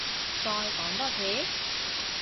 再講多次？